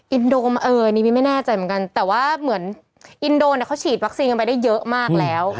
อินโดมันเอ่ยนี่พี่ไม่แน่ใจเหมือนกันแต่ว่าเหมือนอินโดเนี่ยเขาฉีดวัคซีนกันไปได้เยอะมากแล้ว